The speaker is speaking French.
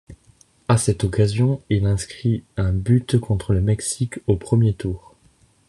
À cette occasion, il inscrit un but contre le Mexique au premier tour.